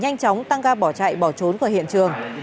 nhanh chóng tăng ga bỏ chạy bỏ trốn khỏi hiện trường